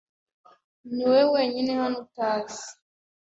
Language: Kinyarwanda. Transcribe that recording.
Niwowe wenyine hano utazi .